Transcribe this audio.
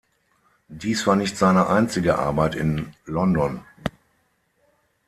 Dies war nicht seine einzige Arbeit in London.